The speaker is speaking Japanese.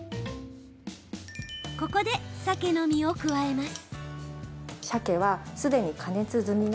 ここで、サケの身を加えます。